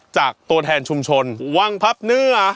ตัวแทนชุมชนวังพับเนื้อ